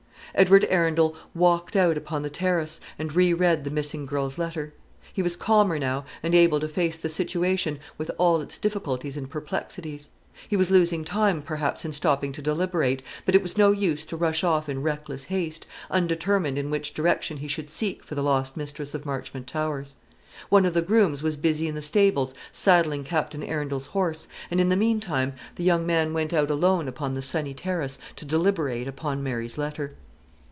Edward Arundel walked out upon the terrace, and re read the missing girl's letter. He was calmer now, and able to face the situation with all its difficulties and perplexities. He was losing time perhaps in stopping to deliberate; but it was no use to rush off in reckless haste, undetermined in which direction he should seek for the lost mistress of Marchmont Towers. One of the grooms was busy in the stables saddling Captain Arundel's horse, and in the mean time the young man went out alone upon the sunny terrace to deliberate upon Mary's letter.